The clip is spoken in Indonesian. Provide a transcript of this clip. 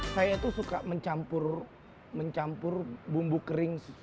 saya tuh suka mencampur bumbu kering